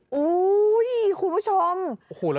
โฮ้คุณผู้ชม